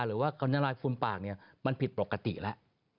หรือว่ากัญลายฟูมปากเนี่ยมันผิดปกติแล้ว